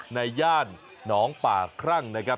ย่านหนองป่าครั่งนะครับ